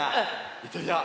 いってみよう。